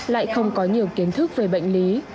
lại không có nhiều kiến thức về bệnh lý